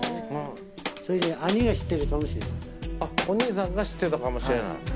お兄さんが知ってたかもしれない。